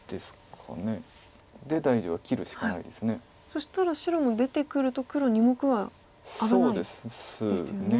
そしたら白も出てくると黒２目は危ないですよね。